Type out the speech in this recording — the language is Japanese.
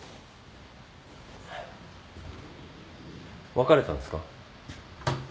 別れたんですか？